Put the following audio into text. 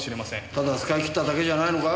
ただ使い切っただけじゃないのか？